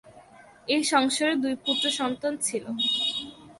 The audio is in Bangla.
এ সংসারে দুই পুত্র সন্তান ছিল।